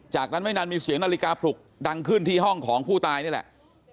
จากนั้นไม่นานมีเสียงนาฬิกาปลุกดังขึ้นที่ห้องของผู้ตายนี่แหละ